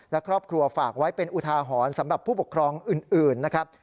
และครอบครัวฝากไว้เป็นอุทาหรณ์สำหรับผู้ปกครองอื่นนะครับ